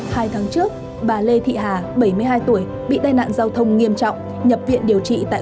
hai tháng trước bà lê thị hà bảy mươi hai tuổi bị tai nạn giao thông nghiêm trọng nhập viện điều trị tại